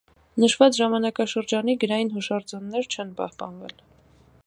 Նշված ժամանակաշրջանի գրային հուշարձաններ չեն պահպանվել։